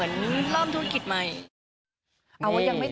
โควิดด้วยอะไรอย่างนี้